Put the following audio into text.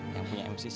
yang punya mcc